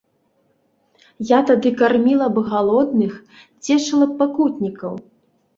Я тады карміла б галодных, цешыла б пакутнікаў.